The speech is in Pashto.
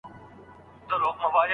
دروني ځواک مو په زړه کي وساتئ.